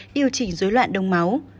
điều chỉnh dối loạn đông máu